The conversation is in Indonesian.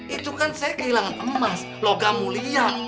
itu kan saya kehilangan emas logam mulia